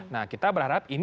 nah kita berharap ini